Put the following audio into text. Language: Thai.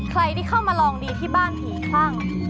ใครที่เข้ามาลองดีที่บ้านผีคลั่ง